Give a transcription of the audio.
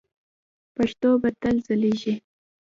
پښتو به تل ځلیږي.